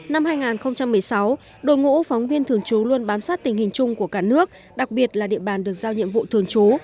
năm hai nghìn một mươi sáu đội ngũ phóng viên thường trú luôn bám sát tình hình chung của cả nước đặc biệt là địa bàn được giao nhiệm vụ thường trú